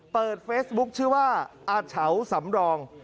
เปิดเฟซบุ๊กชื่อว่าอาจฉาวสำรอง